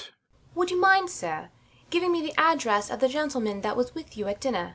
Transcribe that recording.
Would you mind, sir, giving me the address of the gentleman that was with you at dinner?